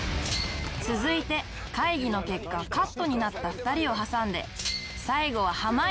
続いて会議の結果カットになった２人を挟んで最後は濱家